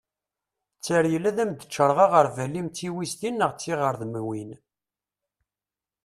tteryel ad am-d-ččareγ aγerbal-im d tiwiztin neγ tiγredmiwin